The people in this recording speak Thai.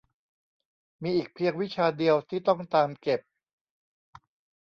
มีอีกเพียงวิชาเดียวที่ต้องตามเก็บ